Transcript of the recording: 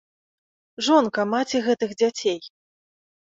Жонка, маці гэтых дзяцей!